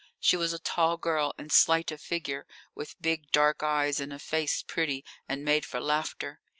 She was a tall girl and slight of figure, with big, dark eyes, and a face pretty and made for laughter.